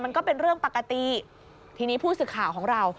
มันก็เป็นเรื่องปกติทีนี้ผู้สื่อข่าวของเรา